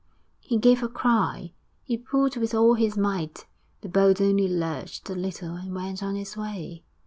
He gave a cry, he pulled with all his might, the boat only lurched a little and went on its way.